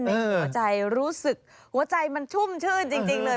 ในหัวใจรู้สึกหัวใจมันชุ่มชื่นจริงเลย